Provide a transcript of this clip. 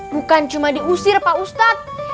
bukan cuma diusir pak ustadz